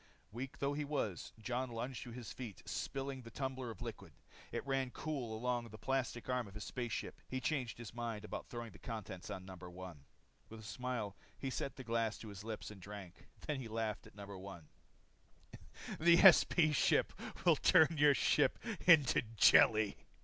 Weak though he was Jon lunged to his feet, spilling the tumbler of liquid. It ran cool along the plastic arm of his space suit. He changed his mind about throwing the contents on No. 1. With a smile he set the glass at his lips and drank. Then he laughed at No. 1. "The SP ship will turn your ship into jelly."